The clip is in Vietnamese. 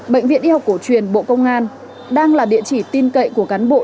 bệnh viện y học cổ truyền bộ công an đang là địa chỉ tin cậy của cán bộ